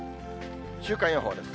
週間予報です。